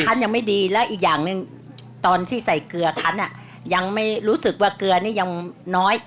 ยังไม่ดีและอีกอย่างหนึ่งตอนที่ใส่เกลือคันอ่ะยังไม่รู้สึกว่าเกลือนี่ยังน้อย